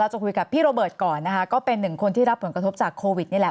จะคุยกับพี่โรเบิร์ตก่อนนะคะก็เป็นหนึ่งคนที่รับผลกระทบจากโควิดนี่แหละ